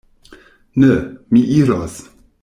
Ne; mi iros.